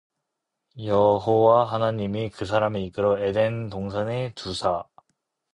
여호와 하나님이 그 사람을 이끌어 에덴 동산에 두사